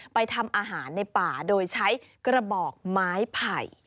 ทำอาหารในป่าโดยใช้กระบอกไม้ไผ่